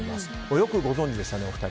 よくご存じでしたね、お二人。